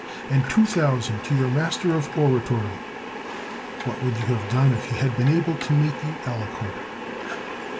and two thousand to your master of oratory; what would you have done if he had been able to make you eloquent